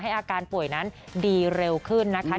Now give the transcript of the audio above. อาการป่วยนั้นดีเร็วขึ้นนะคะ